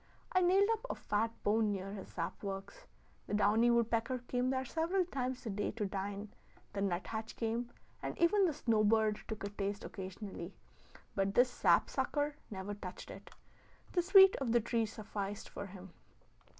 I nailed up a fat bone near his sap works: the downy woodpecker came there several times a day to dine; the nut hatch came, and even the snow bird took a taste occasionally; but this sap sucker never touched it; the sweet of the tree sufficed for him.